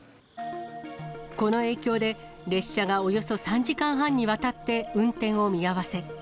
この影響で、列車がおよそ３時間半にわたって運転を見合わせ。